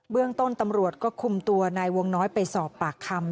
เรื่องต้นตำรวจก็คุมตัวนายวงน้อยไปสอบปากคำ